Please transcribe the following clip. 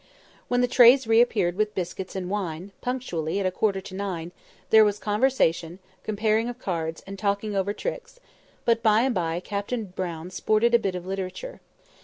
When the trays re appeared with biscuits and wine, punctually at a quarter to nine, there was conversation, comparing of cards, and talking over tricks; but by and by Captain Brown sported a bit of literature.